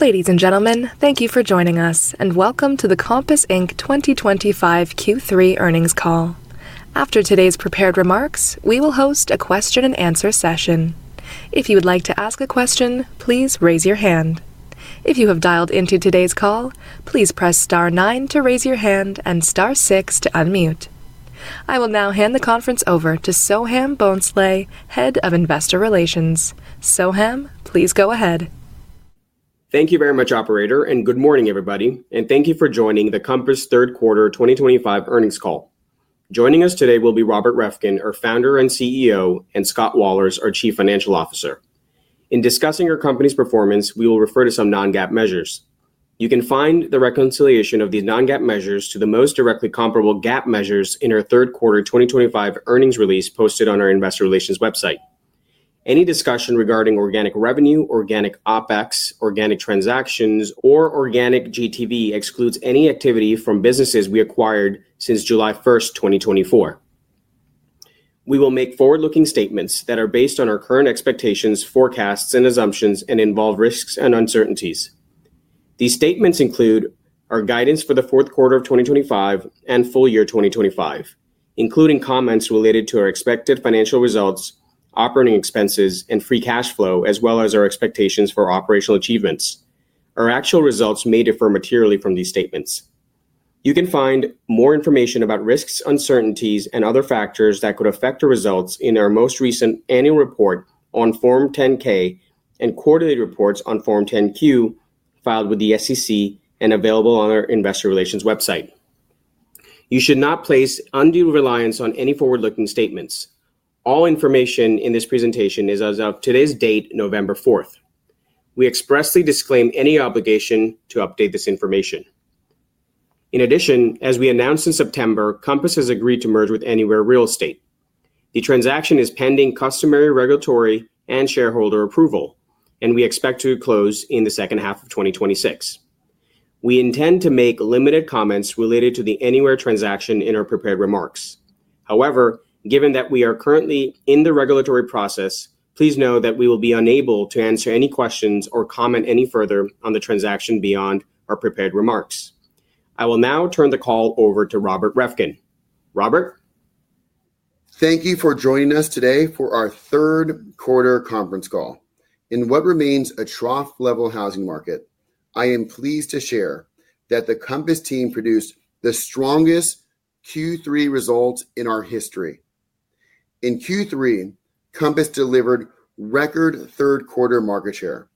Ladies and gentlemen, thank you for joining us, and welcome to the Compass Inc. 2025 Q3 earnings call. After today's prepared remarks, we will host a question-and-answer session. If you would like to ask a question, please raise your hand. If you have dialed into today's call, please press star nine to raise your hand and star six to unmute. I will now hand the conference over to Soham Bhonsle, Head of Investor Relations. Soham, please go ahead. Thank you very much, Operator, and good morning, everybody. Thank you for joining the Compass third quarter 2025 earnings call. Joining us today will be Robert Reffkin, our founder and CEO, and Scott Wahlers, our Chief Financial Officer. In discussing our company's performance, we will refer to some Non-GAAP measures. You can find the reconciliation of these Non-GAAP measures to the most directly comparable GAAP measures in our third quarter 2025 earnings release posted on our Investor Relations website. Any discussion regarding organic revenue, organic OPEX, organic transactions, or organic GTV excludes any activity from businesses we acquired since July 1, 2024. We will make forward-looking statements that are based on our current expectations, forecasts, and assumptions, and involve risks and uncertainties. These statements include our guidance for the fourth quarter of 2025 and full year 2025, including comments related to our expected financial results, operating expenses, and free cash flow, as well as our expectations for operational achievements. Our actual results may differ materially from these statements. You can find more information about risks, uncertainties, and other factors that could affect our results in our most recent annual report on Form 10-K and quarterly reports on Form 10-Q filed with the SEC and available on our Investor Relations website. You should not place undue reliance on any forward-looking statements. All information in this presentation is as of today's date, November 4. We expressly disclaim any obligation to update this information. In addition, as we announced in September, Compass has agreed to merge with Anywhere Real Estate. The transaction is pending customary regulatory and shareholder approval, and we expect to close in the second half of 2026. We intend to make limited comments related to the Anywhere transaction in our prepared remarks. However, given that we are currently in the regulatory process, please know that we will be unable to answer any questions or comment any further on the transaction beyond our prepared remarks. I will now turn the call over to Robert Reffkin. Robert. Thank you for joining us today for our third quarter conference call. In what remains a trough-level housing market, I am pleased to share that the Compass team produced the strongest Q3 results in our history. In Q3, Compass delivered record third quarter market share,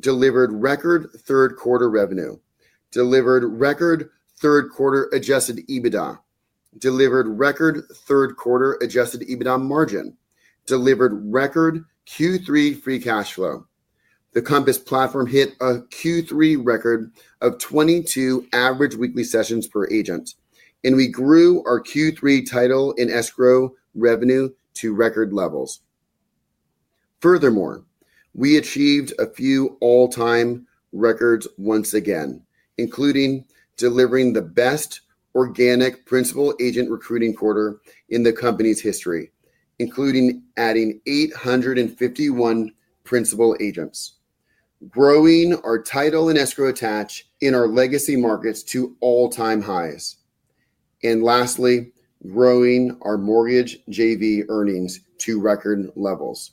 delivered record third quarter revenue, delivered record third quarter Adjusted EBITDA, delivered record third quarter Adjusted EBITDA margin, delivered record Q3 free cash flow. The Compass platform hit a Q3 record of 22 average weekly sessions per agent, and we grew our Q3 title and escrow revenue to record levels. Furthermore, we achieved a few all-time records once again, including delivering the best organic principal agent recruiting quarter in the company's history, including adding 851 principal agents, growing our title and escrow attach in our legacy markets to all-time highs. Lastly, growing our mortgage JV earnings to record levels.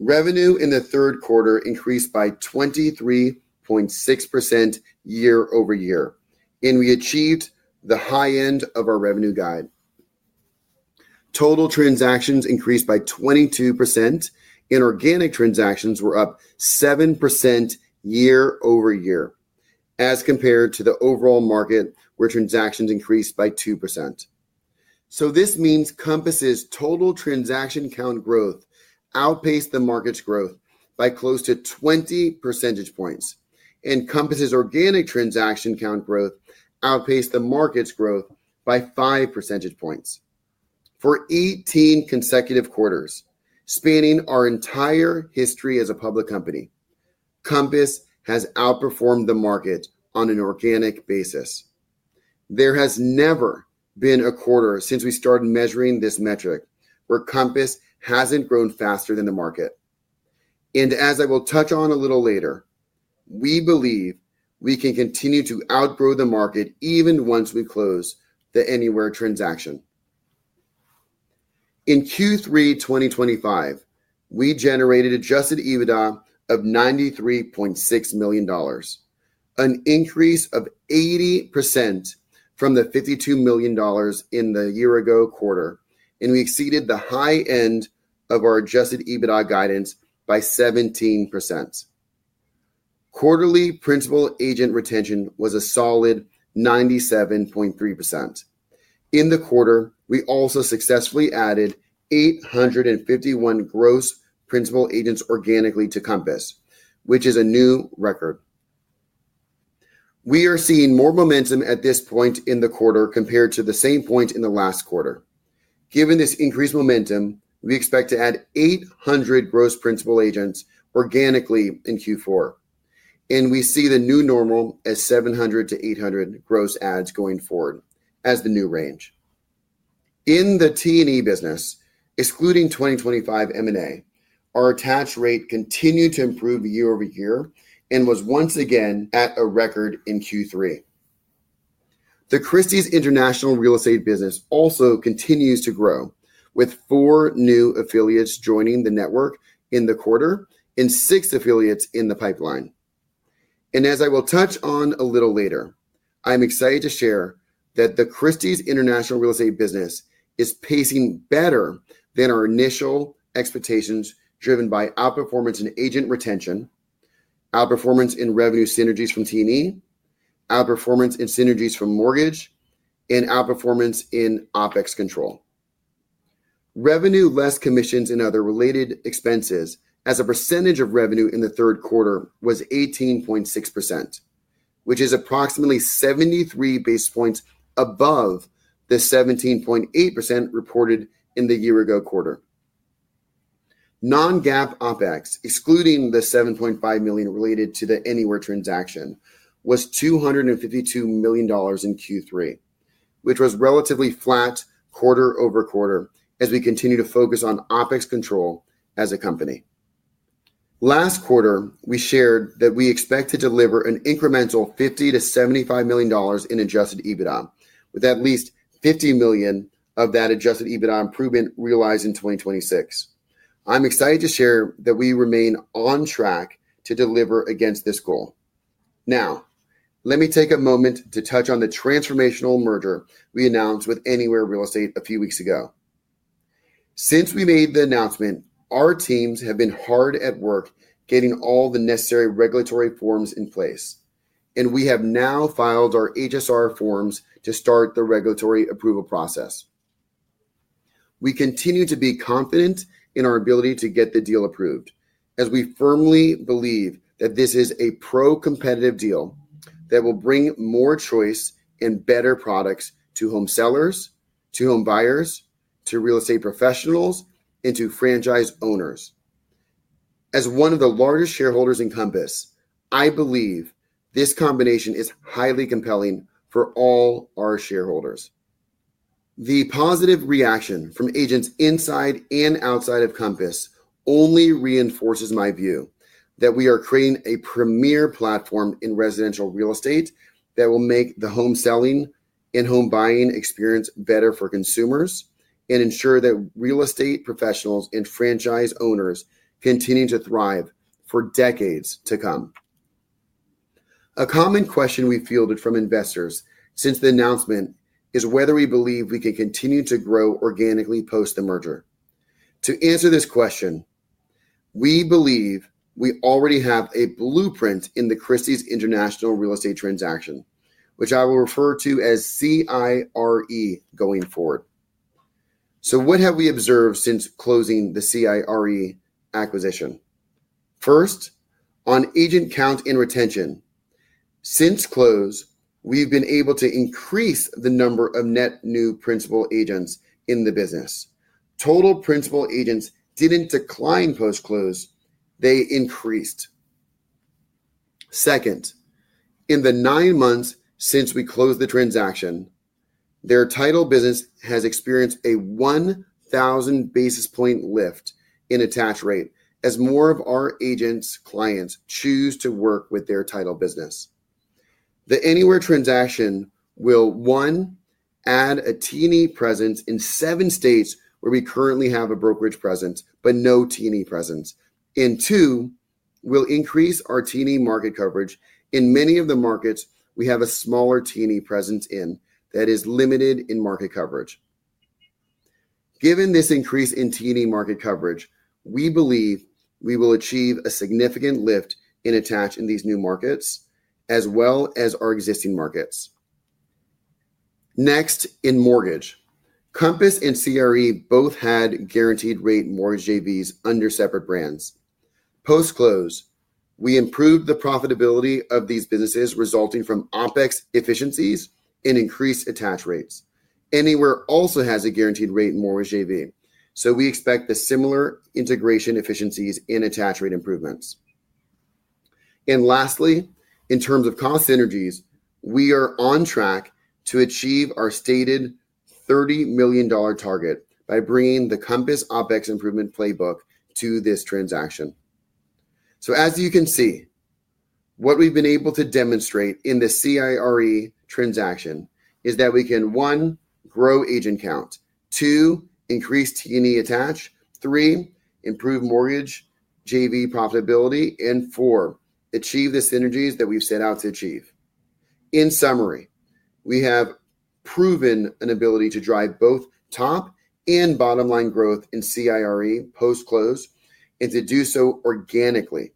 Revenue in the third quarter increased by 23.6% year-over-year, and we achieved the high end of our revenue guide. Total transactions increased by 22%, and organic transactions were up 7% year-over-year as compared to the overall market, where transactions increased by 2%. So this means Compass's total transaction count growth outpaced the market's growth by close to 20 percentage points, and Compass's organic transaction count growth outpaced the market's growth by five percentage points. For 18 consecutive quarters, spanning our entire history as a public company, Compass has outperformed the market on an organic basis. There has never been a quarter since we started measuring this metric where Compass hasn't grown faster than the market. As I will touch on a little later, we believe we can continue to outgrow the market even once we close the Anywhere transaction. In Q3 2025, we generated Adjusted EBITDA of $93.6 million, an increase of 80% from the $52 million in the year-ago quarter, and we exceeded the high end of our Adjusted EBITDA guidance by 17%. Quarterly principal agent retention was a solid 97.3%. In the quarter, we also successfully added 851 gross principal agents organically to Compass, which is a new record. We are seeing more momentum at this point in the quarter compared to the same point in the last quarter. Given this increased momentum, we expect to add 800 gross principal agents organically in Q4. We see the new normal as 700-800 gross adds going forward as the new range. In the T&E business, excluding 2025 M&A, our attach rate continued to improve year-over-year and was once again at a record in Q3. The Christie's International Real Estate business also continues to grow, with four new affiliates joining the network in the quarter and six affiliates in the pipeline. As I will touch on a little later, I'm excited to share that the Christie's International Real Estate business is pacing better than our initial expectations, driven by outperformance in agent retention, outperformance in revenue synergies from T&E, outperformance in synergies from mortgage, and outperformance in OPEX control. Revenue less commissions and other related expenses as a percentage of revenue in the third quarter was 18.6%, which is approximately 73 basis points above the 17.8% reported in the year-ago quarter. Non-GAAP OPEX, excluding the $7.5 million related to the Anywhere transaction, was $252 million in Q3, which was relatively flat quarter-over-quarter as we continue to focus on OPEX control as a company. Last quarter, we shared that we expect to deliver an incremental $50 million-$75 million in Adjusted EBITDA, with at least $50 million of that Adjusted EBITDA improvement realized in 2026. I'm excited to share that we remain on track to deliver against this goal. Now, let me take a moment to touch on the transformational merger we announced with Anywhere Real Estate a few weeks ago. Since we made the announcement, our teams have been hard at work getting all the necessary regulatory forms in place, and we have now filed our HSR forms to start the regulatory approval process. We continue to be confident in our ability to get the deal approved, as we firmly believe that this is a pro-competitive deal that will bring more choice and better products to home sellers, to home buyers, to real estate professionals, and to franchise owners. As one of the largest shareholders in Compass, I believe this combination is highly compelling for all our shareholders. The positive reaction from agents inside and outside of Compass only reinforces my view that we are creating a premier platform in residential real estate that will make the home selling and home buying experience better for consumers and ensure that real estate professionals and franchise owners continue to thrive for decades to come. A common question we've fielded from investors since the announcement is whether we believe we can continue to grow organically post the merger. To answer this question, we believe we already have a blueprint in the Christie's International Real Estate transaction, which I will refer to as CIRE going forward. What have we observed since closing the CIRE acquisition? First, on agent count and retention. Since close, we've been able to increase the number of net new principal agents in the business. Total principal agents didn't decline post-close; they increased. Second, in the nine months since we closed the transaction, their title business has experienced a 1,000 basis point lift in attach rate as more of our agents' clients choose to work with their title business. The Anywhere transaction will, one, add a T&E presence in seven states where we currently have a brokerage presence, but no T&E presence. Two, we'll increase our T&E market coverage in many of the markets we have a smaller T&E presence in that is limited in market coverage. Given this increase in T&E market coverage, we believe we will achieve a significant lift in attach in these new markets as well as our existing markets. Next, in mortgage, Compass and CRE both had Guaranteed Rate mortgage JVs under separate brands. Post-close, we improved the profitability of these businesses resulting from OPEX efficiencies and increased attach rates. Anywhere also has a Guaranteed Rate mortgage JV, so we expect the similar integration efficiencies and attach rate improvements. Lastly, in terms of cost synergies, we are on track to achieve our stated $30 million target by bringing the Compass OPEX improvement playbook to this transaction. So as you can see. What we've been able to demonstrate in the Christie's International Real Estate transaction is that we can, one, grow agent count, two, increase T&E attach, three, improve mortgage JV profitability, and four, achieve the synergies that we've set out to achieve. In summary, we have proven an ability to drive both top and bottom line growth in Christie's International Real Estate post-close and to do so organically.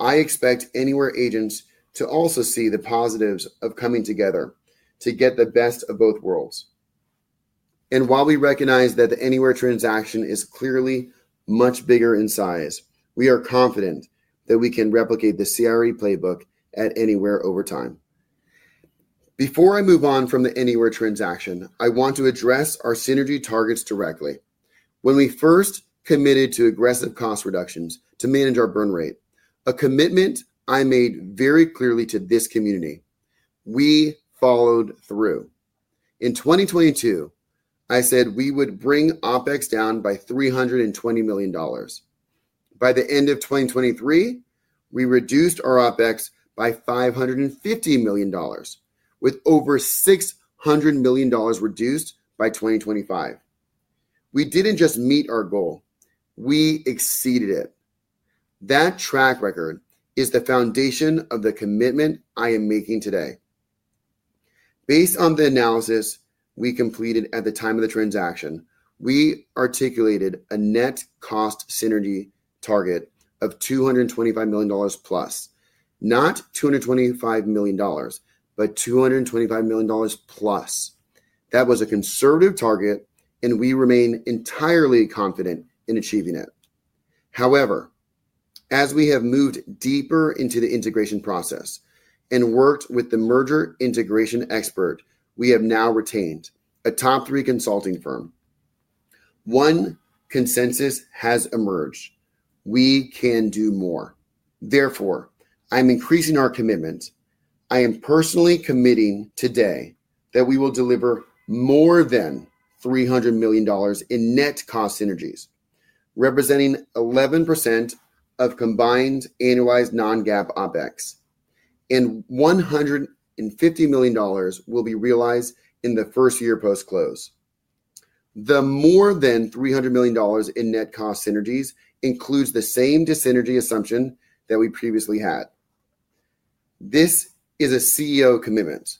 I expect Anywhere agents to also see the positives of coming together to get the best of both worlds. While we recognize that the Anywhere transaction is clearly much bigger in size, we are confident that we can replicate the Christie's International Real Estate playbook at Anywhere over time. Before I move on from the Anywhere transaction, I want to address our synergy targets directly. When we first committed to aggressive cost reductions to manage our burn rate, a commitment I made very clearly to this community, we followed through. In 2022, I said we would bring OPEX down by $320 million. By the end of 2023, we reduced our OPEX by $550 million, with over $600 million reduced by 2025. We didn't just meet our goal; we exceeded it. That track record is the foundation of the commitment I am making today. Based on the analysis we completed at the time of the transaction, we articulated a net cost synergy target of $225+ million, not $225 million, but $225+ million. That was a conservative target, and we remain entirely confident in achieving it. However. As we have moved deeper into the integration process. We worked with the merger integration expert, we have now retained a top three consulting firm. One consensus has emerged: we can do more. Therefore, I'm increasing our commitment. I am personally committing today that we will deliver more than $300 million in net cost synergies, representing 11% of combined annualized Non-GAAP OPEX. $150 million will be realized in the first year post-close. The more than $300 million in net cost synergies includes the same synergy assumption that we previously had. This is a CEO commitment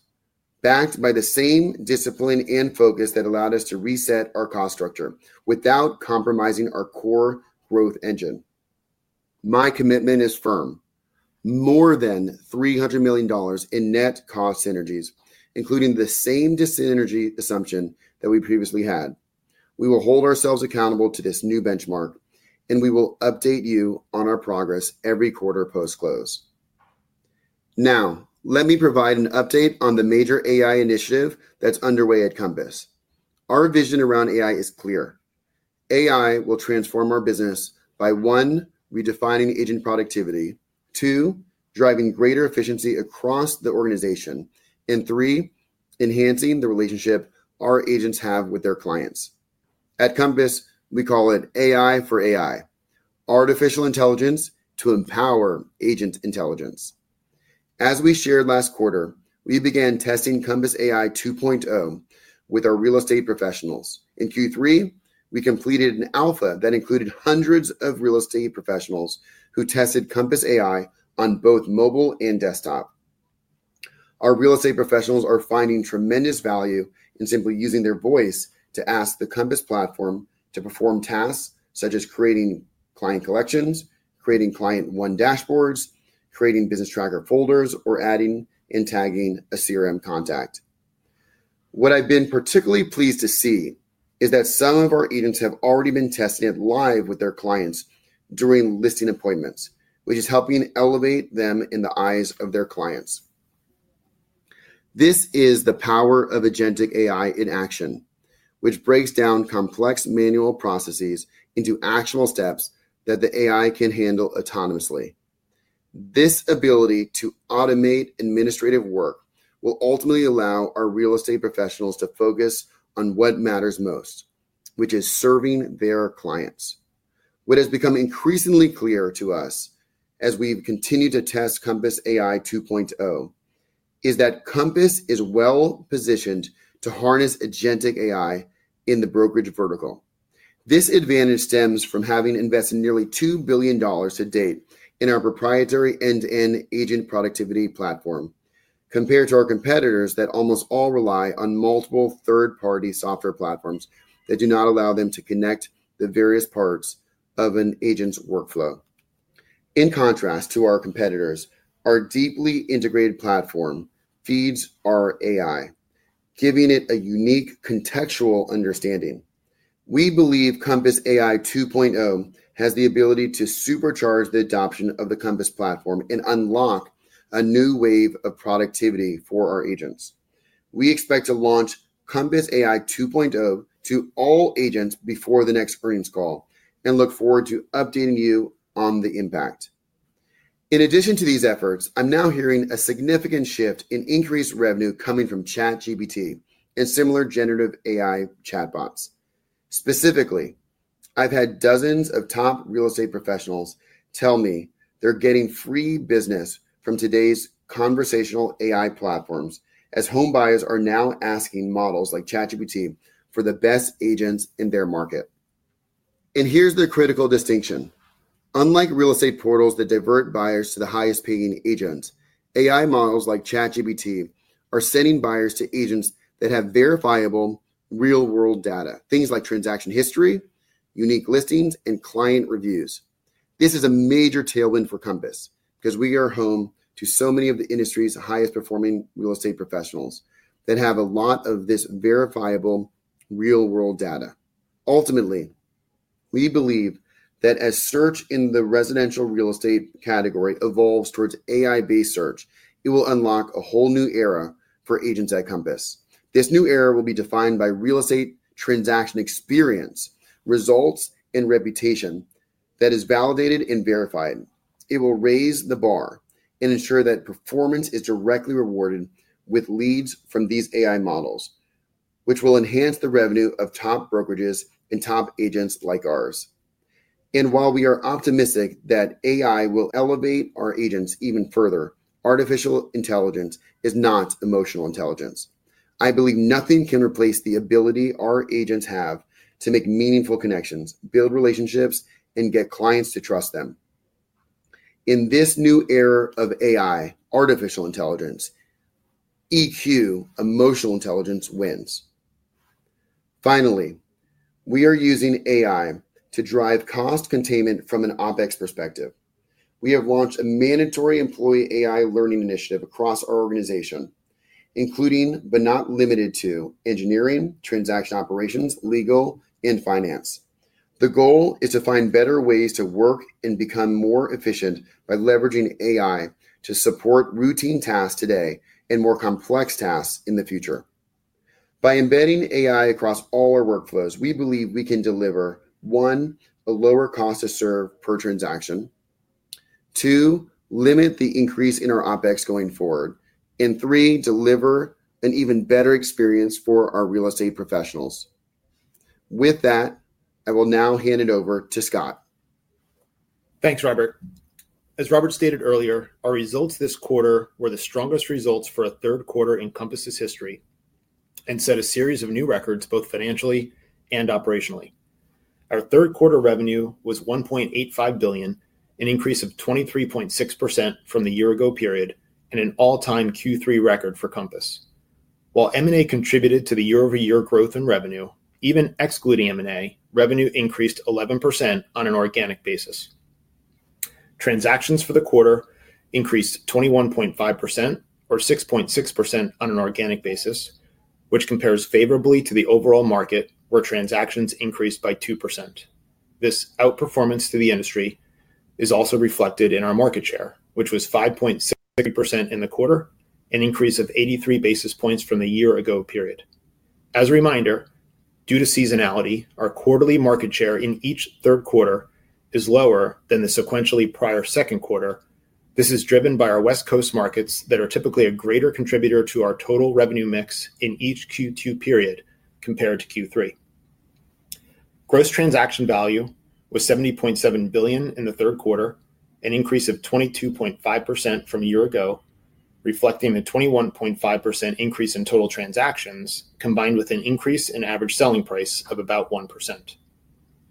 backed by the same discipline and focus that allowed us to reset our cost structure without compromising our core growth engine. My commitment is firm. More than $300 million in net cost synergies, including the same synergy assumption that we previously had. We will hold ourselves accountable to this new benchmark, and we will update you on our progress every quarter post-close. Now, let me provide an update on the major AI initiative that's underway at Compass. Our vision around AI is clear. AI will transform our business by, one, redefining agent productivity, two, driving greater efficiency across the organization, and three, enhancing the relationship our agents have with their clients. At Compass, we call it AI for AI, artificial intelligence to empower agent intelligence. As we shared last quarter, we began testing Compass AI 2.0 with our real estate professionals. In Q3, we completed an alpha that included hundreds of real estate professionals who tested Compass AI on both mobile and desktop. Our real estate professionals are finding tremendous value in simply using their voice to ask the Compass platform to perform tasks such as creating client collections, creating client one dashboards, creating business tracker folders, or adding and tagging a CRM contact. What I've been particularly pleased to see is that some of our agents have already been testing it live with their clients during listing appointments, which is helping elevate them in the eyes of their clients. This is the power of agentic AI in action, which breaks down complex manual processes into actionable steps that the AI can handle autonomously. This ability to automate administrative work will ultimately allow our real estate professionals to focus on what matters most, which is serving their clients. What has become increasingly clear to us as we've continued to test Compass AI 2.0 is that Compass is well positioned to harness agentic AI in the brokerage vertical. This advantage stems from having invested nearly $2 billion to date in our proprietary end-to-end agent productivity platform, compared to our competitors that almost all rely on multiple third-party software platforms that do not allow them to connect the various parts of an agent's workflow. In contrast to our competitors, our deeply integrated platform feeds our AI, giving it a unique contextual understanding. We believe Compass AI 2.0 has the ability to supercharge the adoption of the Compass platform and unlock a new wave of productivity for our agents. We expect to launch Compass AI 2.0 to all agents before the next earnings call and look forward to updating you on the impact. In addition to these efforts, I'm now hearing a significant shift in increased revenue coming from ChatGPT and similar generative AI chatbots. Specifically, I've had dozens of top real estate professionals tell me they're getting free business from today's conversational AI platforms as home buyers are now asking models like ChatGPT for the best agents in their market. Here's the critical distinction. Unlike real estate portals that divert buyers to the highest-paying agents, AI models like ChatGPT are sending buyers to agents that have verifiable real-world data, things like transaction history, unique listings, and client reviews. This is a major tailwind for Compass because we are home to so many of the industry's highest-performing real estate professionals that have a lot of this verifiable real-world data. Ultimately, we believe that as search in the residential real estate category evolves towards AI-based search, it will unlock a whole new era for agents at Compass. This new era will be defined by real estate transaction experience, results, and reputation that is validated and verified. It will raise the bar and ensure that performance is directly rewarded with leads from these AI models, which will enhance the revenue of top brokerages and top agents like ours. While we are optimistic that AI will elevate our agents even further, artificial intelligence is not emotional intelligence. I believe nothing can replace the ability our agents have to make meaningful connections, build relationships, and get clients to trust them. In this new era of AI, artificial intelligence. EQ, emotional intelligence wins. Finally, we are using AI to drive cost containment from an OPEX perspective. We have launched a mandatory employee AI learning initiative across our organization, including but not limited to engineering, transaction operations, legal, and finance. The goal is to find better ways to work and become more efficient by leveraging AI to support routine tasks today and more complex tasks in the future. By embedding AI across all our workflows, we believe we can deliver, one, a lower cost to serve per transaction. Two, limit the increase in our OPEX going forward, and three, deliver an even better experience for our real estate professionals. With that, I will now hand it over to Scott. Thanks, Robert. As Robert stated earlier, our results this quarter were the strongest results for a third quarter in Compass's history. Set a series of new records both financially and operationally. Our third quarter revenue was $1.85 billion, an increase of 23.6% from the year-ago period, and an all-time Q3 record for Compass. While M&A contributed to the year-over-year growth in revenue, even excluding M&A, revenue increased 11% on an organic basis. Transactions for the quarter increased 21.5%, or 6.6% on an organic basis, which compares favorably to the overall market where transactions increased by 2%. This outperformance to the industry is also reflected in our market share, which was 5.6% in the quarter, an increase of 83 basis points from the year-ago period. As a reminder, due to seasonality, our quarterly market share in each third quarter is lower than the sequentially prior second quarter. This is driven by our West Coast markets that are typically a greater contributor to our total revenue mix in each Q2 period compared to Q3. Gross transaction value was $70.7 billion in the third quarter, an increase of 22.5% from a year ago, reflecting a 21.5% increase in total transactions combined with an increase in average selling price of about 1%.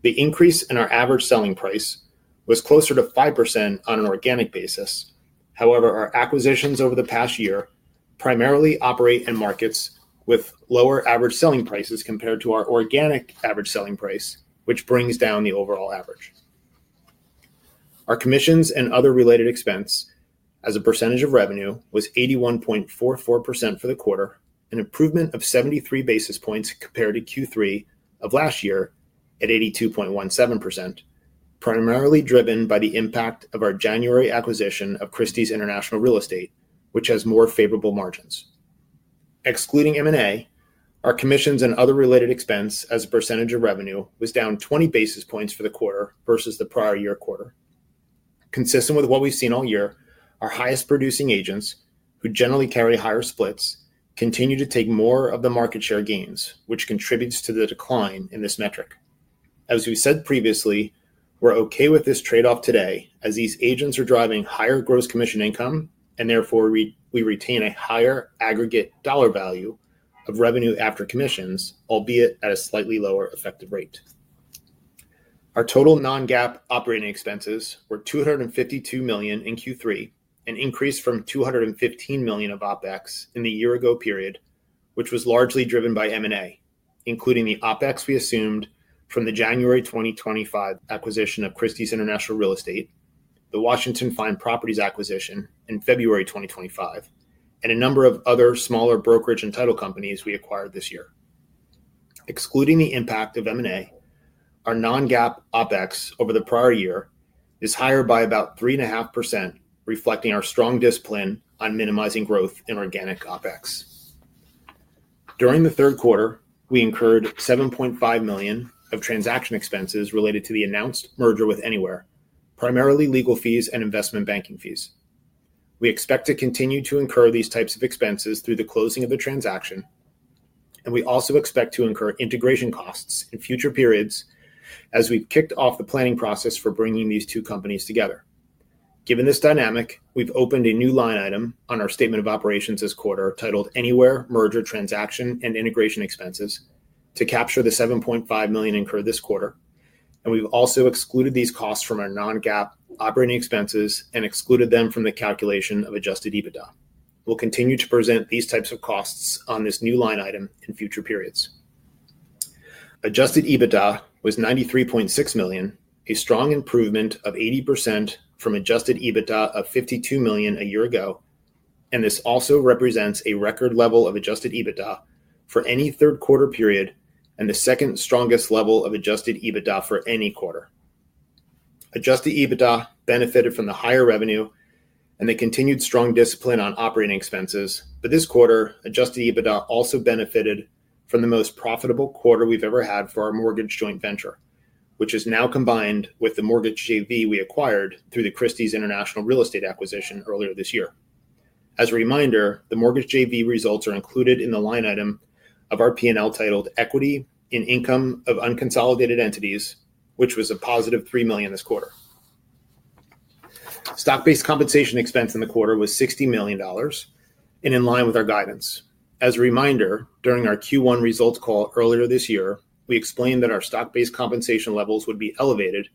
The increase in our average selling price was closer to 5% on an organic basis. However, our acquisitions over the past year primarily operate in markets with lower average selling prices compared to our organic average selling price, which brings down the overall average. Our commissions and other related expenses as a percentage of revenue was 81.44% for the quarter, an improvement of 73 basis points compared to Q3 of last year at 82.17%. Primarily driven by the impact of our January acquisition of Christie's International Real Estate, which has more favorable margins. Excluding M&A, our commissions and other related expenses as a percentage of revenue were down 20 basis points for the quarter versus the prior year quarter. Consistent with what we've seen all year, our highest-producing agents, who generally carry higher splits, continue to take more of the market share gains, which contributes to the decline in this metric. As we said previously, we're okay with this trade-off today as these agents are driving higher gross commission income, and therefore we retain a higher aggregate dollar value of revenue after commissions, albeit at a slightly lower effective rate. Our total Non-GAAP operating expenses were $252 million in Q3, an increase from $215 million of OPEX in the year-ago period, which was largely driven by M&A, including the OPEX we assumed from the January 2025 acquisition of Christie's International Real Estate, the Washington Fine Properties acquisition in February 2025, and a number of other smaller brokerage and title companies we acquired this year. Excluding the impact of M&A, our Non-GAAP OPEX over the prior year is higher by about 3.5%, reflecting our strong discipline on minimizing growth in organic OPEX. During the third quarter, we incurred $7.5 million of transaction expenses related to the announced merger with Anywhere, primarily legal fees and investment banking fees. We expect to continue to incur these types of expenses through the closing of the transaction, and we also expect to incur integration costs in future periods as we've kicked off the planning process for bringing these two companies together. Given this dynamic, we've opened a new line item on our statement of operations this quarter titled Anywhere Merger Transaction and Integration Expenses to capture the $7.5 million incurred this quarter, and we've also excluded these costs from our Non-GAAP operating expenses and excluded them from the calculation of Adjusted EBITDA. We'll continue to present these types of costs on this new line item in future periods. Adjusted EBITDA was $93.6 million, a strong improvement of 80% from Adjusted EBITDA of $52 million a year ago, and this also represents a record level of Adjusted EBITDA for any third-quarter period and the second-strongest level of Adjusted EBITDA for any quarter. Adjusted EBITDA benefited from the higher revenue and the continued strong discipline on operating expenses, but this quarter, Adjusted EBITDA also benefited from the most profitable quarter we've ever had for our mortgage joint venture, which is now combined with the mortgage JV we acquired through the Christie's International Real Estate acquisition earlier this year. As a reminder, the mortgage JV results are included in the line item of our P&L titled equity in income of unconsolidated entities, which was a +$3 million this quarter. Stock-based compensation expense in the quarter was $60 million and in line with our guidance. As a reminder, during our Q1 results call earlier this year, we explained that our stock-based compensation levels would be elevated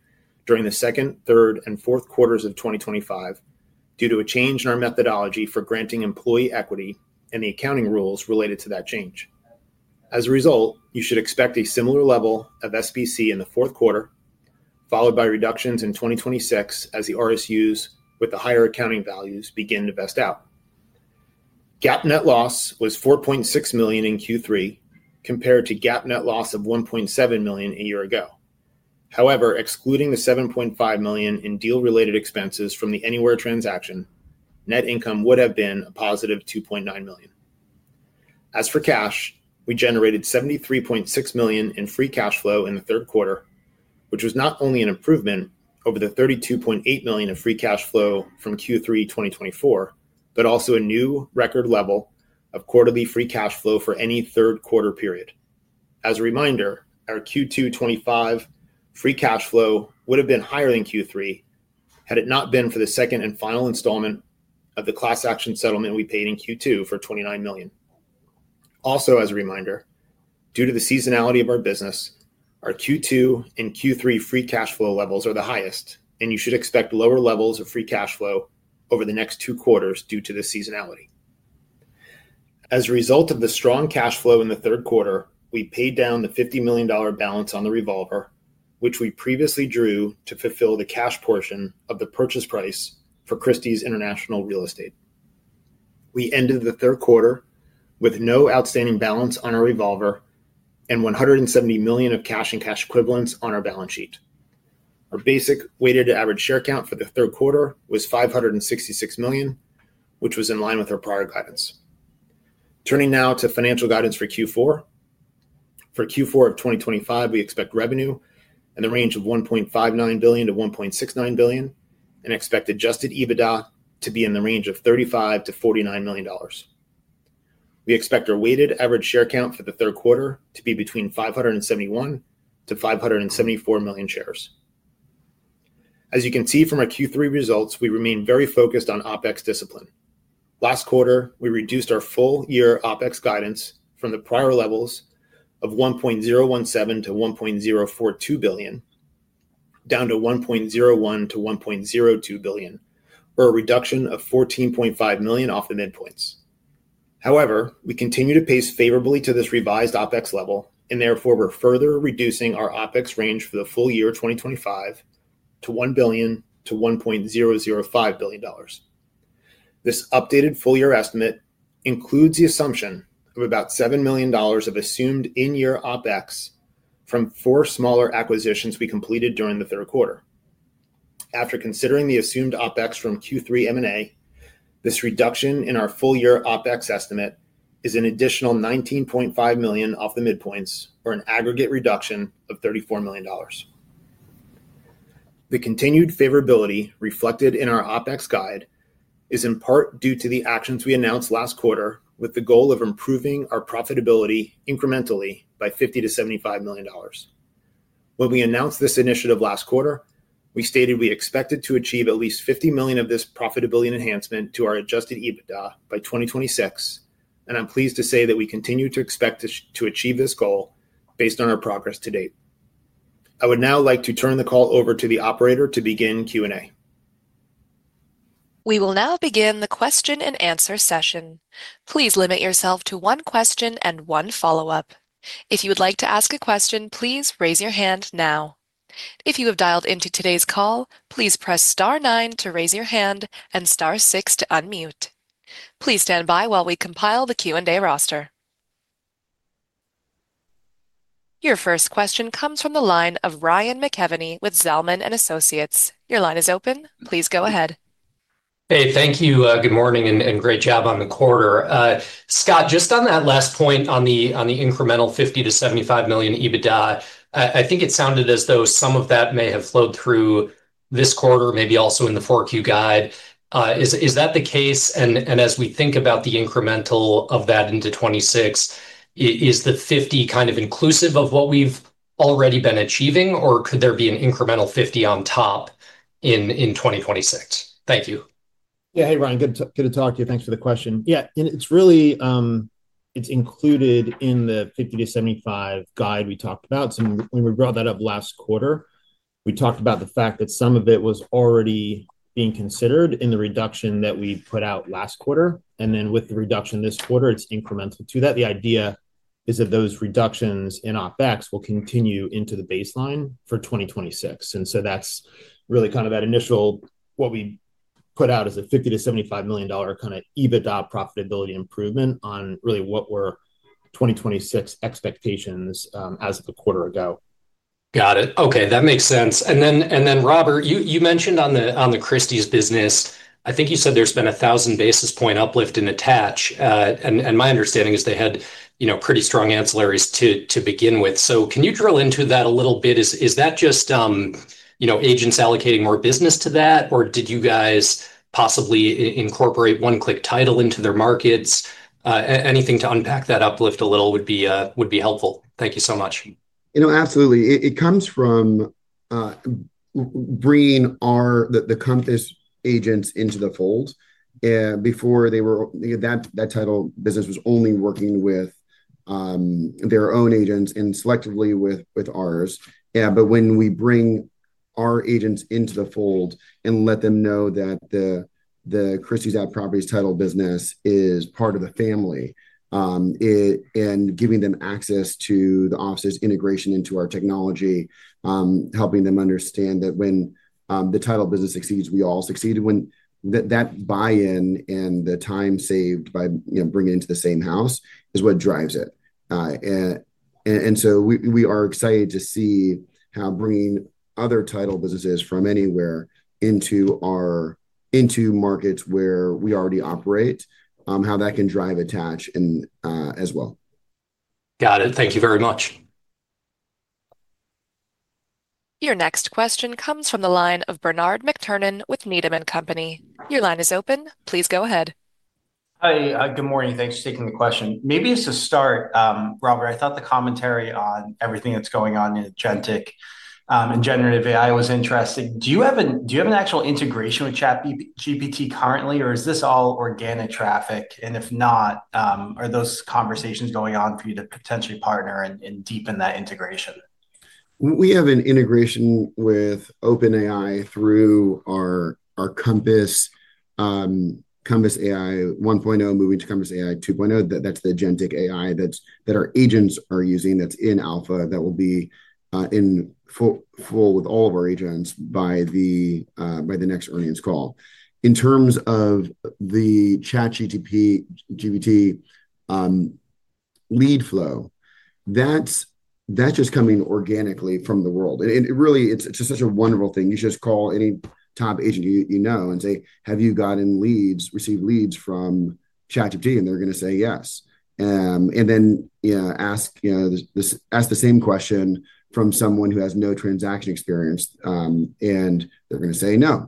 during the second, third, and fourth quarters of 2025 due to a change in our methodology for granting employee equity and the accounting rules related to that change. As a result, you should expect a similar level of SBC in the fourth quarter, followed by reductions in 2026 as the RSUs with the higher accounting values begin to vest out. GAAP net loss was $4.6 million in Q3 compared to GAAP net loss of $1.7 million a year ago. However, excluding the $7.5 million in deal-related expenses from the Anywhere transaction, net income would have been a +$2.9 million. As for cash, we generated $73.6 million in free cash flow in the third quarter, which was not only an improvement over the $32.8 million of free cash flow from Q3 2024, but also a new record level of quarterly free cash flow for any third-quarter period. As a reminder, our Q2 2025 free cash flow would have been higher than Q3 had it not been for the second and final installment of the class action settlement we paid in Q2 for $29 million. Also, as a reminder, due to the seasonality of our business, our Q2 and Q3 free cash flow levels are the highest, and you should expect lower levels of free cash flow over the next two quarters due to the seasonality. As a result of the strong cash flow in the third quarter, we paid down the $50 million balance on the revolver, which we previously drew to fulfill the cash portion of the purchase price for Christie's International Real Estate. We ended the third quarter with no outstanding balance on our revolver and $170 million of cash and cash equivalents on our balance sheet. Our basic weighted average share count for the third quarter was 566 million, which was in line with our prior guidance. Turning now to financial guidance for Q4. For Q4 of 2025, we expect revenue in the range of $1.59 billion-$1.69 billion and expect Adjusted EBITDA to be in the range of $35 million-$49 million. We expect our weighted average share count for the third quarter to be between 571 million-574 million shares. As you can see from our Q3 results, we remain very focused on OPEX discipline. Last quarter, we reduced our full-year OPEX guidance from the prior levels of $1.017 billion-$1.042 billion down to $1.01 billion-$1.02 billion, or a reduction of $14.5 million off the midpoints. However, we continue to pace favorably to this revised OPEX level, and therefore we're further reducing our OPEX range for the full year 2025 to $1 billion-$1.005 billion. This updated full-year estimate includes the assumption of about $7 million of assumed in-year OPEX from four smaller acquisitions we completed during the third quarter. After considering the assumed OPEX from Q3 M&A, this reduction in our full-year OPEX estimate is an additional $19.5 million off the midpoints, or an aggregate reduction of $34 million. The continued favorability reflected in our OPEX guide is in part due to the actions we announced last quarter with the goal of improving our profitability incrementally by $50 million-$75 million. When we announced this initiative last quarter, we stated we expected to achieve at least $50 million of this profitability enhancement to our Adjusted EBITDA by 2026, and I'm pleased to say that we continue to expect to achieve this goal based on our progress to date. I would now like to turn the call over to the operator to begin Q&A. We will now begin the question-and-answer session. Please limit yourself to one question and one follow-up. If you would like to ask a question, please raise your hand now. If you have dialed into today's call, please press star nine to raise your hand and star six to unmute. Please stand by while we compile the Q&A roster. Your first question comes from the line of Ryan McKeveny with Zelman and Associates. Your line is open. Please go ahead. Hey, thank you. Good morning and great job on the quarter. Scott, just on that last point on the incremental $50 million-$75 million EBITDA, I think it sounded as though some of that may have flowed through this quarter, maybe also in the four-Q guide. Is that the case? As we think about the incremental of that into 2026, is the 50 kind of inclusive of what we've already been achieving, or could there be an incremental 50 on top in 2026? Thank you. Yeah, hey, Ryan, good to talk to you. Thanks for the question. Yeah, and it's included in the $50 million-$75 million guide we talked about. When we brought that up last quarter, we talked about the fact that some of it was already being considered in the reduction that we put out last quarter. Then with the reduction this quarter, it's incremental to that. The idea is that those reductions in OPEX will continue into the baseline for 2026. So that's really kind of that initial what we put out as a $50 million-$75 million kind of EBITDA profitability improvement on really what were 2026 expectations as of the quarter ago. Got it. Okay, that makes sense. Then, Robert, you mentioned on the Christie's business, I think you said there's been a thousand basis point uplift in attach. My understanding is they had pretty strong ancillaries to begin with. So can you drill into that a little bit? Is that just agents allocating more business to that, or did you guys possibly incorporate OneClick Title into their markets? Anything to unpack that uplift a little would be helpful. Thank you so much. Absolutely. It comes from bringing the Christie's agents into the fold. Before they were that title business was only working with their own agents and selectively with ours. But when we bring our agents into the fold and let them know that the Christie's Washington Fine Properties title business is part of the family and giving them access to the offices integration into our technology, helping them understand that when the title business succeeds, we all succeed. That buy-in and the time saved by bringing it into the same house is what drives it. So we are excited to see how bringing other title businesses from Anywhere into markets where we already operate, how that can drive attach as well. Got it. Thank you very much. Your next question comes from the line of Bernie McTernan with Needham & Company. Your line is open. Please go ahead. Hi, good morning. Thanks for taking the question. Maybe to start, Robert, I thought the commentary on everything that's going on in generative AI and generative AI was interesting. Do you have an actual integration with ChatGPT currently, or is this all organic traffic? If not, are those conversations going on for you to potentially partner and deepen that integration? We have an integration with OpenAI through our Compass AI 1.0, moving to Compass AI 2.0. That's the generative AI that our agents are using that's in alpha that will be in full with all of our agents by the next earnings call. In terms of the ChatGPT lead flow, that's just coming organically from the world. Really, it's just such a wonderful thing. You just call any top agent you know and say, "Have you gotten leads, received leads from ChatGPT?" They're going to say yes. Then ask the same question from someone who has no transaction experience, and they're going to say no.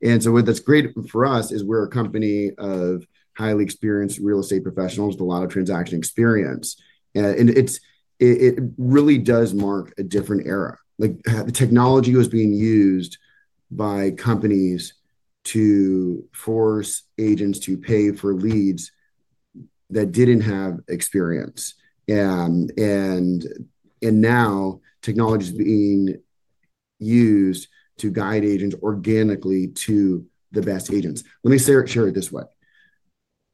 What's great for us is we're a company of highly experienced real estate professionals with a lot of transaction experience. It really does mark a different era. The technology was being used by companies to force agents to pay for leads that didn't have experience. Now technology is being used to guide agents organically to the best agents. Let me share it this way.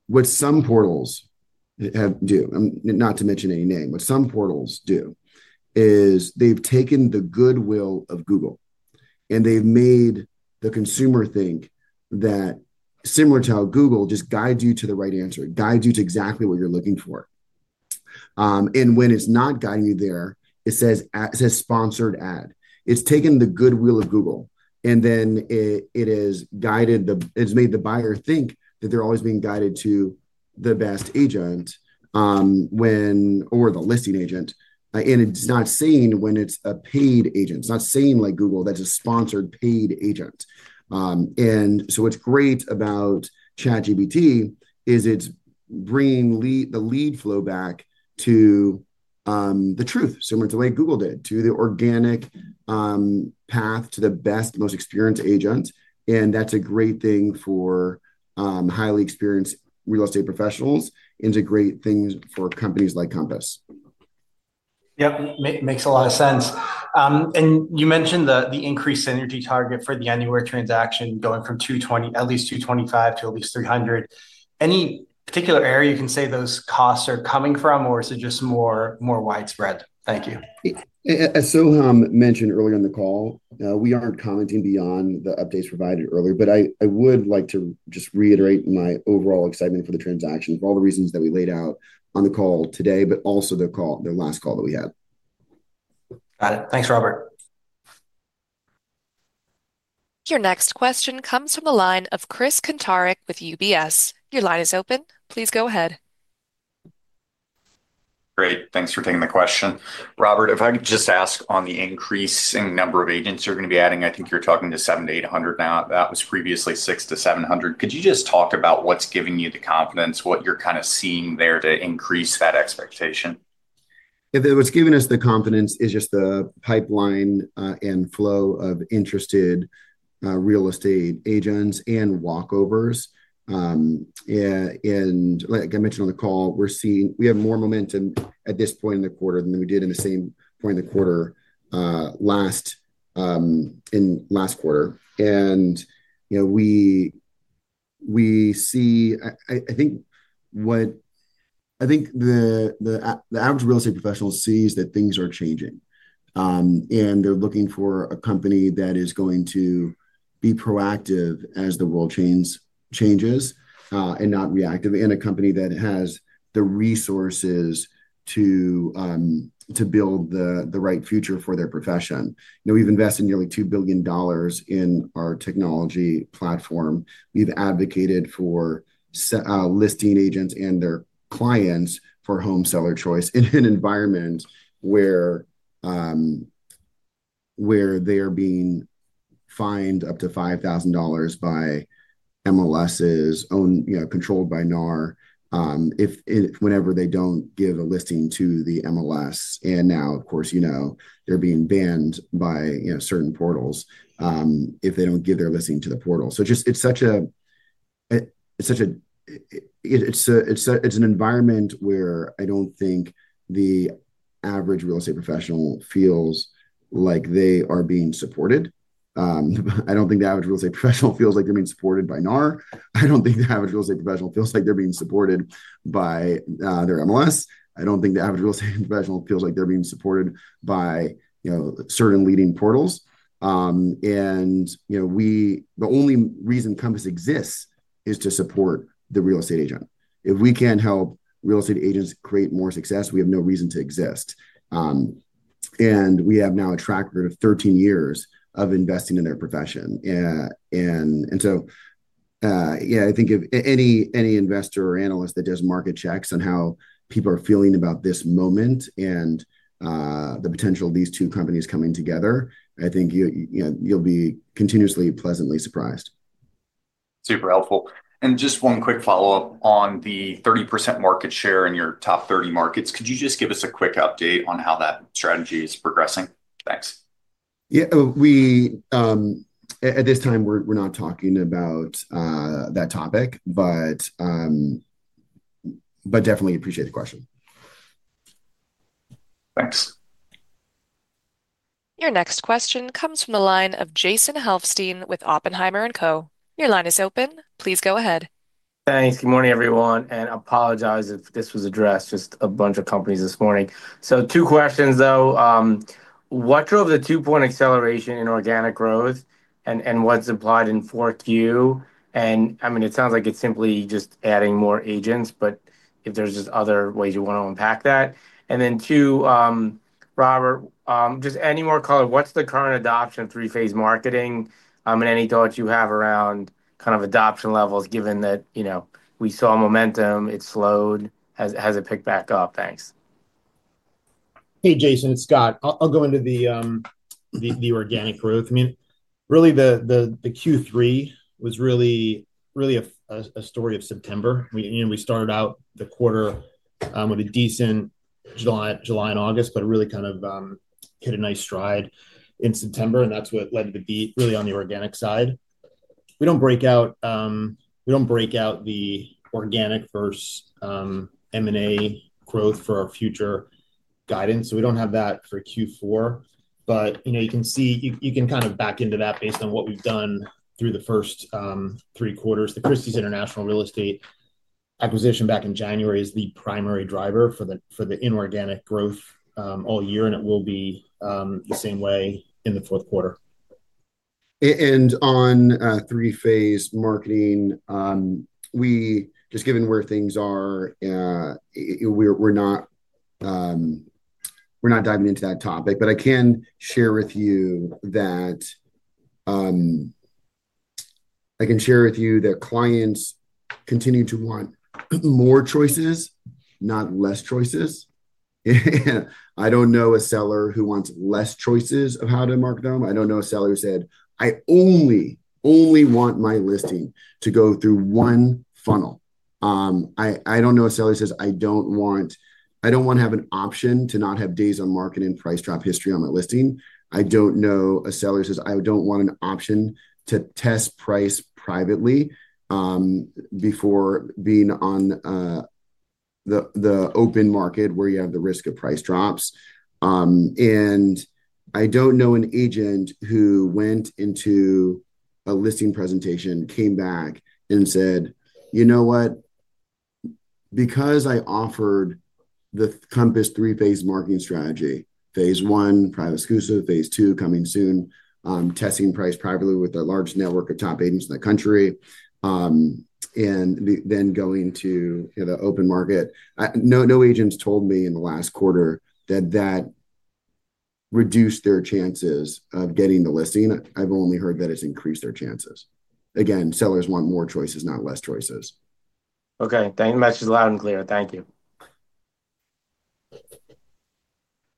What some portals do, not to mention any name, what some portals do is they've taken the goodwill of Google, and they've made the consumer think that similar to how Google just guides you to the right answer, guides you to exactly what you're looking for. When it's not guiding you there, it says "Sponsored ad." It's taken the goodwill of Google, and then it has made the buyer think that they're always being guided to the best agent or the listing agent. It's not saying when it's a paid agent. It's not saying like Google that's a sponsored paid agent. So what's great about ChatGPT is it's bringing the lead flow back to the truth, similar to the way Google did, to the organic path to the best, most experienced agent. That's a great thing for highly experienced real estate professionals and is a great thing for companies like Compass. Yep, makes a lot of sense. You mentioned the increased synergy target for the annual transaction going from at least $225 to at least $300. Any particular area you can say those costs are coming from, or is it just more widespread? Thank you. As Soham mentioned earlier in the call, we aren't commenting beyond the updates provided earlier, but I would like to just reiterate my overall excitement for the transaction for all the reasons that we laid out on the call today, but also their last call that we had. Got it. Thanks, Robert. Your next question comes from the line of Chris Kuntarich with UBS. Your line is open. Please go ahead. Great. Thanks for taking the question. Robert, if I could just ask on the increasing number of agents you're going to be adding, I think you're talking 700-800 now. That was previously 600-700. Could you just talk about what's giving you the confidence, what you're kind of seeing there to increase that expectation? What's giving us the confidence is just the pipeline and flow of interested real estate agents and walkovers. Like I mentioned on the call, we have more momentum at this point in the quarter than we did in the same point in the quarter in last quarter. We see, I think what the average real estate professional sees that things are changing. They're looking for a company that is going to be proactive as the world changes and not reactive, and a company that has the resources to build the right future for their profession. We've invested nearly $2 billion in our technology platform. We've advocated for listing agents and their clients for home seller choice in an environment where they are being fined up to $5,000 by MLSs controlled by NAR whenever they don't give a listing to the MLS. Now, of course, they're being banned by certain portals if they don't give their listing to the portal. So it's such a It's an environment where I don't think the average real estate professional feels like they are being supported. I don't think the average real estate professional feels like they're being supported by NAR. I don't think the average real estate professional feels like they're being supported by their MLS. I don't think the average real estate professional feels like they're being supported by certain leading portals. The only reason Compass exists is to support the real estate agent. If we can't help real estate agents create more success, we have no reason to exist. We have now a track record of 13 years of investing in their profession. So yeah, I think any investor or analyst that does market checks on how people are feeling about this moment and the potential of these two companies coming together, I think you'll be continuously pleasantly surprised. Super helpful. Just one quick follow-up on the 30% market share in your top 30 markets. Could you just give us a quick update on how that strategy is progressing? Thanks. Yeah. At this time, we're not talking about that topic, but definitely appreciate the question. Thanks. Your next question comes from the line of Jason Helfstein with Oppenheimer & Co. Your line is open. Please go ahead. Thanks. Good morning, everyone. I apologize if this was addressed just a bunch of companies this morning. So two questions, though. What drove the two-point acceleration in organic growth, and what's implied in 4Q? I mean, it sounds like it's simply just adding more agents, but if there's just other ways you want to unpack that. Two. Robert, just any more color, what's the current adoption of three-phase marketing and any thoughts you have around kind of adoption levels, given that we saw momentum, it slowed, has it picked back up? Thanks. Hey, Jason, it's Scott. I'll go into the organic growth. I mean, really, the Q3 was really a story of September. We started out the quarter with a decent July and August, but it really kind of hit a nice stride in September. That's what led to the beat really on the organic side. We don't break out the organic versus M&A growth for our future guidance. So we don't have that for Q4. But you can see you can kind of back into that based on what we've done through the first three quarters. The Christie's International Real Estate acquisition back in January is the primary driver for the inorganic growth all year, and it will be the same way in the fourth quarter. On three-phase marketing. Just given where things are. We're not diving into that topic. But I can share with you that I can share with you that clients continue to want more choices, not less choices. I don't know a seller who wants less choices of how to mark them. I don't know a seller who said, "I only want my listing to go through one funnel." I don't know a seller who says, "I don't want to have an option to not have days on market and price drop history on my listing." I don't know a seller who says, "I don't want an option to test price privately before being on the open market where you have the risk of price drops." I don't know an agent who went into a listing presentation, came back, and said, "You know what? Because I offered the Compass three-phase marketing strategy, phase I, private exclusive, phase II, coming soon, testing price privately with a large network of top agents in the country." And then going to the open market. No agents told me in the last quarter that that reduced their chances of getting the listing. I've only heard that it's increased their chances. Again, sellers want more choices, not less choices. Okay. That's just loud and clear. Thank you.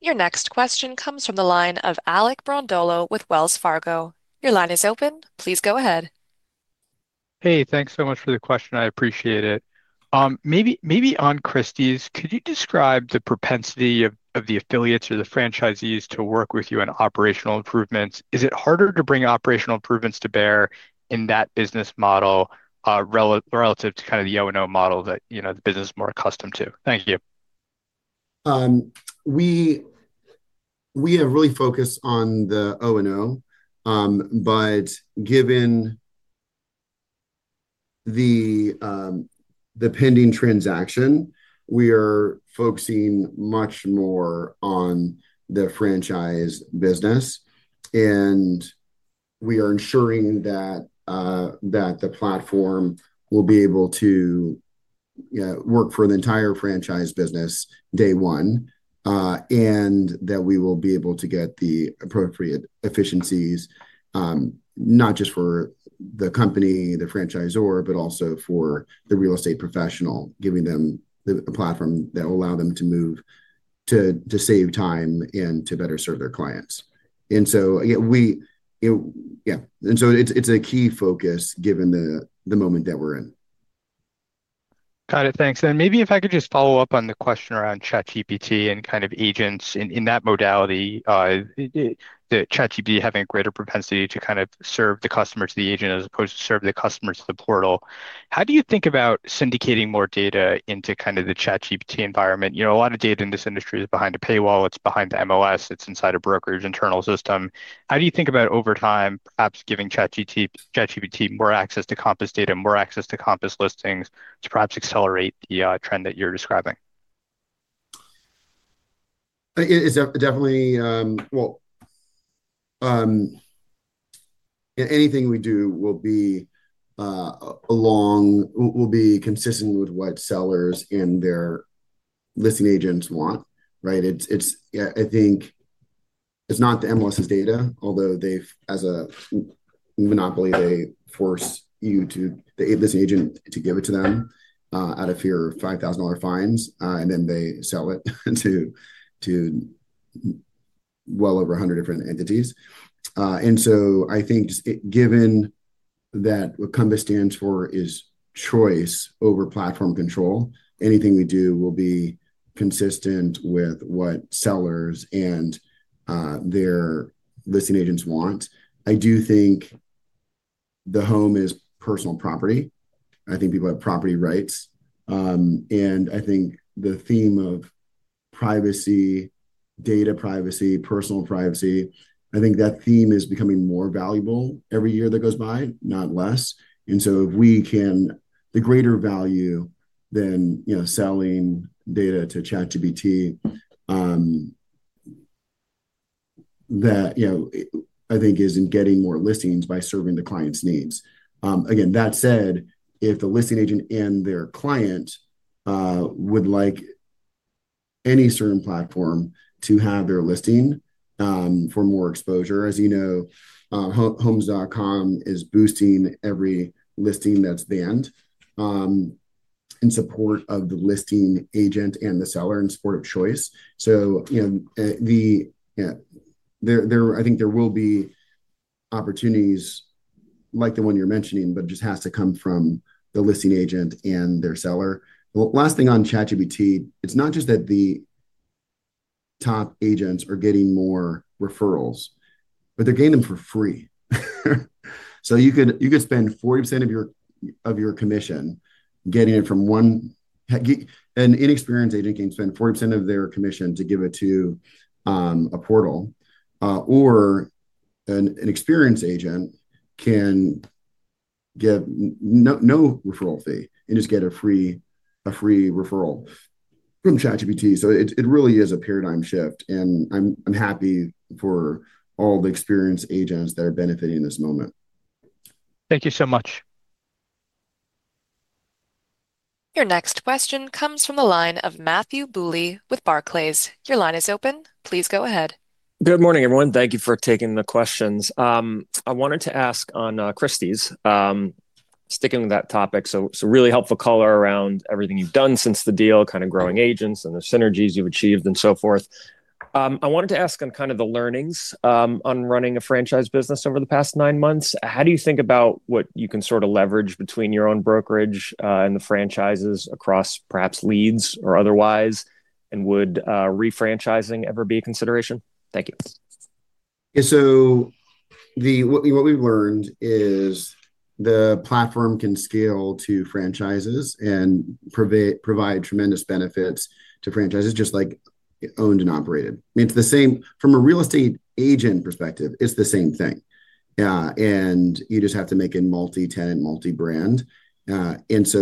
Your next question comes from the line of Alec Brondolo with Wells Fargo. Your line is open. Please go ahead. Hey, thanks so much for the question. I appreciate it. Maybe on Christie's, could you describe the propensity of the affiliates or the franchisees to work with you on operational improvements? Is it harder to bring operational improvements to bear in that business model relative to kind of the O&O model that the business is more accustomed to? Thank you. We have really focused on the O&O. But given the pending transaction, we are focusing much more on the franchise business. We are ensuring that the platform will be able to work for the entire franchise business day one. And that we will be able to get the appropriate efficiencies. Not just for the company, the franchisor, but also for the real estate professional, giving them a platform that will allow them to move to save time and to better serve their clients. So yeah. So it's a key focus given the moment that we're in. Got it. Thanks. Maybe if I could just follow up on the question around ChatGPT and kind of agents in that modality. The ChatGPT having a greater propensity to kind of serve the customer to the agent as opposed to serving the customer to the portal. How do you think about syndicating more data into kind of the ChatGPT environment? A lot of data in this industry is behind a paywall. It's behind the MLS. It's inside a brokerage internal system. How do you think about over time, perhaps giving ChatGPT more access to Compass data and more access to Compass listings to perhaps accelerate the trend that you're describing? Anything we do will be consistent with what sellers and their listing agents want, right? I think it's not the MLS's data, although as a. Monopoly, they force you to the listing agent to give it to them out of fear of $5,000 fines, and then they sell it to well over 100 different entities. So I think just given that what Compass stands for is choice over platform control, anything we do will be consistent with what sellers and their listing agents want. I do think the home is personal property. I think people have property rights. I think the theme of privacy, data privacy, personal privacy, I think that theme is becoming more valuable every year that goes by, not less. So if we can the greater value than selling data to ChatGPT. I think is in getting more listings by serving the client's needs. Again, that said, if the listing agent and their client would like any certain platform to have their listing for more exposure, as you know Homes.com is boosting every listing that's banned in support of the listing agent and the seller in support of choice. I think there will be opportunities like the one you're mentioning, but it just has to come from the listing agent and their seller. Last thing on ChatGPT, it's not just that the top agents are getting more referrals, but they're getting them for free. You could spend 40% of your commission getting it from one. An inexperienced agent can spend 40% of their commission to give it to a portal, or an experienced agent can get no referral fee and just get a free referral from ChatGPT. It really is a paradigm shift. I'm happy for all the experienced agents that are benefiting in this moment. Thank you so much. Your next question comes from the line of Matthew Bouley with Barclays. Your line is open. Please go ahead. Good morning, everyone. Thank you for taking the questions. I wanted to ask on Christie's. Sticking with that topic, so really helpful color around everything you've done since the deal, kind of growing agents and the synergies you've achieved and so forth. I wanted to ask on kind of the learnings on running a franchise business over the past nine months. How do you think about what you can sort of leverage between your own brokerage and the franchises across perhaps leads or otherwise? Would refranchising ever be a consideration? Thank you. Yeah. What we've learned is the platform can scale to franchises and provide tremendous benefits to franchises just like owned and operated. I mean, from a real estate agent perspective, it's the same thing. You just have to make it multi-tenant, multi-brand. That's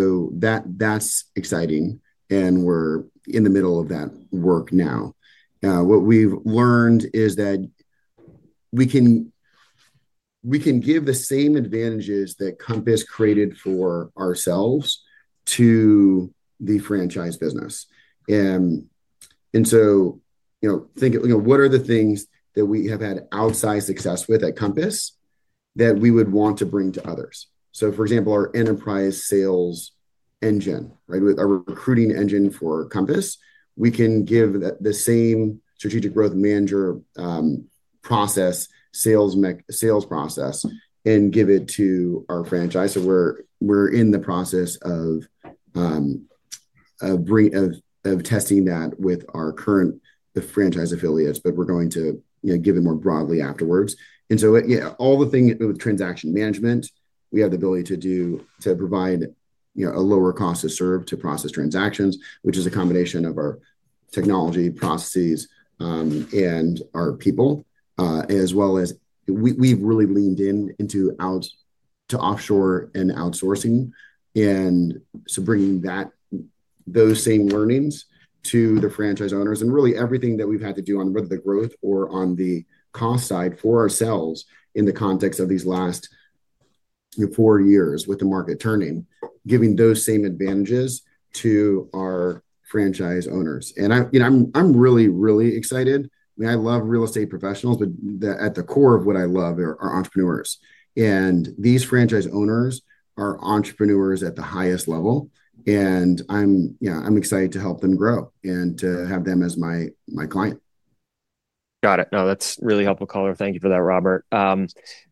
exciting. We're in the middle of that work now. What we've learned is that we can give the same advantages that Compass created for ourselves to the franchise business. Think of what are the things that we have had outside success with at Compass that we would want to bring to others. For example, our enterprise sales engine, right, with our recruiting engine for Compass, we can give the same strategic growth manager sales process and give it to our franchise. We're in the process of testing that with our current franchise affiliates, but we're going to give it more broadly afterwards. All the things with transaction management, we have the ability to provide a lower cost to serve to process transactions, which is a combination of our technology processes and our people. As well as we've really leaned into offshore and outsourcing. Bringing those same learnings to the franchise owners and really everything that we've had to do on whether the growth or on the cost side for ourselves in the context of these last four years with the market turning, giving those same advantages to our franchise owners. I'm really, really excited. I mean, I love real estate professionals, but at the core of what I love are entrepreneurs. These franchise owners are entrepreneurs at the highest level. I'm excited to help them grow and to have them as my client. Got it. No, that's really helpful color. Thank you for that, Robert.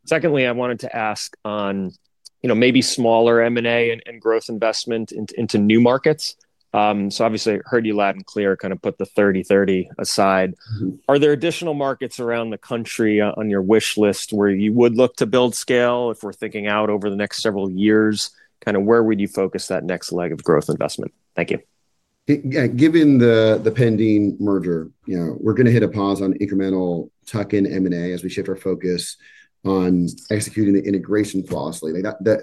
Secondly, I wanted to ask on maybe smaller M&A and growth investment into new markets. Obviously, I heard you loud and clear kind of put the 30/30 aside. Are there additional markets around the country on your wish list where you would look to build scale? If we're thinking out over the next several years, kind of where would you focus that next leg of growth investment? Thank you. Given the pending merger, we're going to hit a pause on incremental tuck-in M&A as we shift our focus on executing the integration flawlessly. The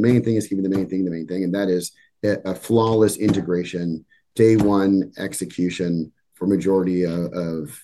main thing is keeping the main thing the main thing. That is a flawless integration, day-one execution for the majority of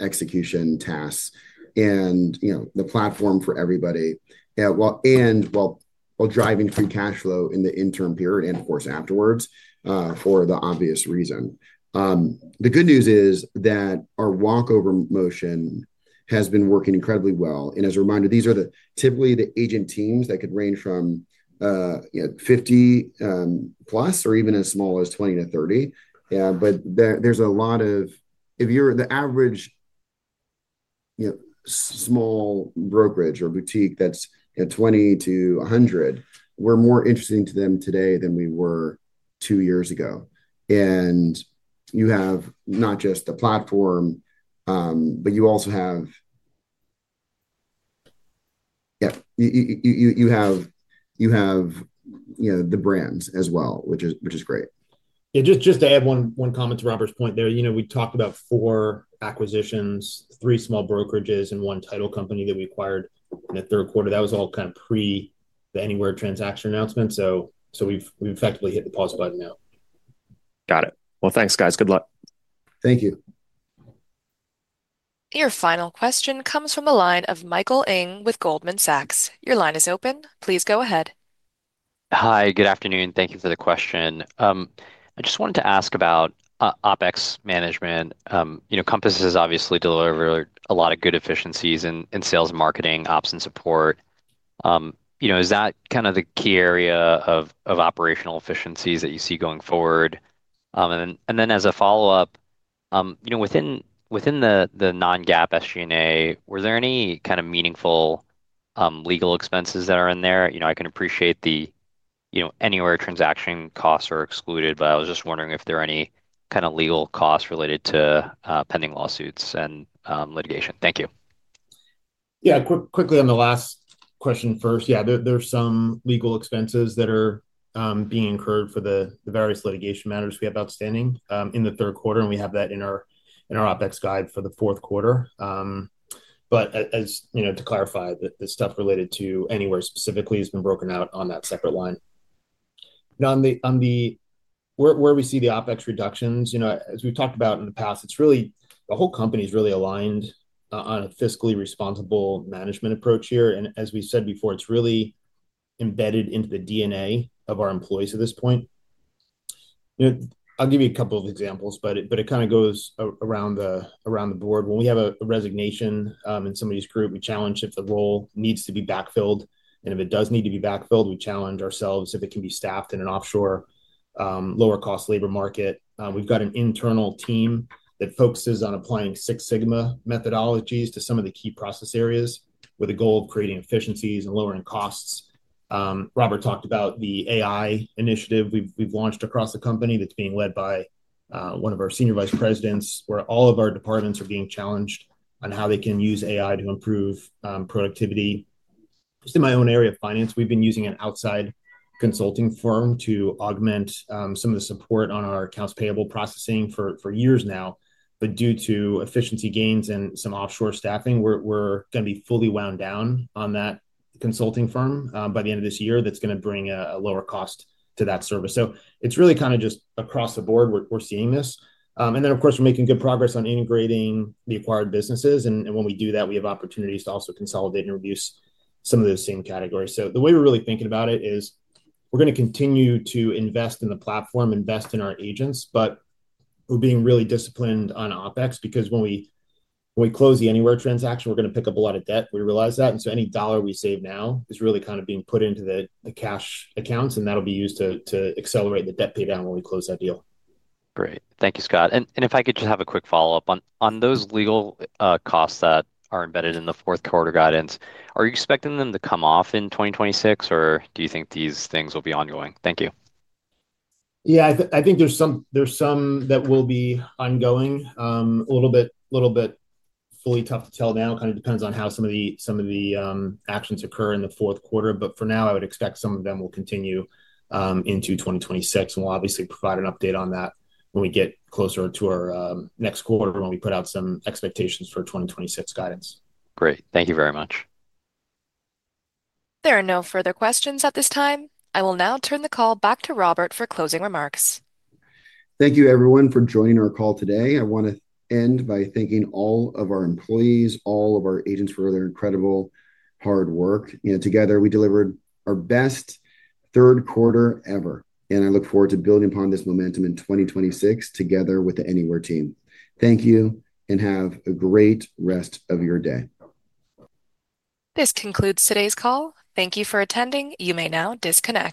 execution tasks and the platform for everybody and while driving free cash flow in the interim period and, of course, afterwards for the obvious reason. The good news is that our walk-over motion has been working incredibly well. As a reminder, these are typically the agent teams that could range from 50+ or even as small as 20-30. But there's a lot of. If you're the average small brokerage or boutique that's 20-100, we're more interesting to them today than we were two years ago. You have not just the platform but you also have the brands as well, which is great. Yeah. Just to add one comment to Robert's point there, we talked about four acquisitions, three small brokerages, and one title company that we acquired in the third quarter. That was all kind of pre-the Anywhere transaction announcement. We've effectively hit the pause button now. Got it. Well, thanks, guys. Good luck. Thank you. Your final question comes from the line of Michael Ng with Goldman Sachs. Your line is open. Please go ahead. Hi. Good afternoon. Thank you for the question. I just wanted to ask about OPEX management. Compass has obviously delivered a lot of good efficiencies in sales and marketing, ops and support. Is that kind of the key area of operational efficiencies that you see going forward? And then as a follow-up. Within the Non-GAAP SG&A, were there any kind of meaningful legal expenses that are in there? I can appreciate the Anywhere transaction costs are excluded, but I was just wondering if there are any kind of legal costs related to pending lawsuits and litigation. Thank you. Yeah. Quickly on the last question first. Yeah, there's some legal expenses that are being incurred for the various litigation matters we have outstanding in the third quarter. And we have that in our OPEX guide for the fourth quarter. But to clarify, the stuff related to Anywhere specifically has been broken out on that separate line. On the where we see the OPEX reductions, as we've talked about in the past, the whole company is really aligned on a fiscally responsible management approach here. And as we said before, it's really embedded into the DNA of our employees at this point. I'll give you a couple of examples, but it kind of goes around the board. When we have a resignation in somebody's group, we challenge if the role needs to be backfilled. And if it does need to be backfilled, we challenge ourselves if it can be staffed in an offshore lower-cost labor market. We've got an internal team that focuses on applying Six Sigma methodologies to some of the key process areas with a goal of creating efficiencies and lowering costs. Robert talked about the AI initiative we've launched across the company that's being led by one of our senior vice presidents where all of our departments are being challenged on how they can use AI to improve productivity. Just in my own area of finance, we've been using an outside consulting firm to augment some of the support on our accounts payable processing for years now. But due to efficiency gains and some offshore staffing, we're going to be fully wound down on that consulting firm by the end of this year that's going to bring a lower cost to that service. So it's really kind of just across the board we're seeing this. And then, of course, we're making good progress on integrating the acquired businesses. And when we do that, we have opportunities to also consolidate and reduce some of those same categories. So the way we're really thinking about it is we're going to continue to invest in the platform, invest in our agents, but we're being really disciplined on OPEX because when we close the Anywhere transaction, we're going to pick up a lot of debt. We realize that. So any dollar we save now is really kind of being put into the cash accounts, and that'll be used to accelerate the debt paydown when we close that deal. Great. Thank you, Scott. If I could just have a quick follow-up on those legal costs that are embedded in the fourth quarter guidance, are you expecting them to come off in 2026, or do you think these things will be ongoing? Thank you. Yeah. I think there's some that will be ongoing. A little bit. Fully tough to tell now. It kind of depends on how some of the actions occur in the fourth quarter. For now, I would expect some of them will continue into 2026. We'll obviously provide an update on that when we get closer to our next quarter, when we put out some expectations for 2026 guidance. Great. Thank you very much. There are no further questions at this time. I will now turn the call back to Robert for closing remarks. Thank you, everyone, for joining our call today. I want to end by thanking all of our employees, all of our agents for their incredible hard work. Together, we delivered our best third quarter ever. I look forward to building upon this momentum in 2026 together with the Anywhere team. Thank you, and have a great rest of your day. This concludes today's call. Thank you for attending. You may now disconnect.